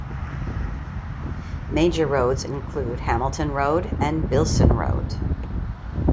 Major roads include Hamilton Road and Bilsen Road.